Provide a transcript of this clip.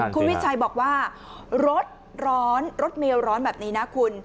คุณวิชัยบอกว่ารถร้อนรถเมลร้อนแบบนี้นะคุณ